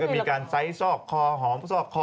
มีการไซส์ซอกคอหอมซอกคอ